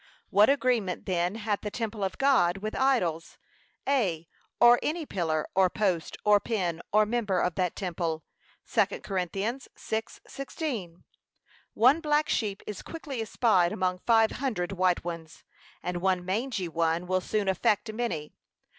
What agreement then hath the temple of God with idols? Ay, or any pillar, or post, or pin, or member of that temple. (2 Cor. 6:16) One black sheep is quickly espied among five hundred white ones, and one mangey one will soon affect many.